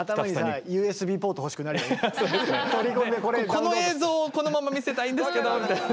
「この映像をこのまま見せたいんですけど」みたいな。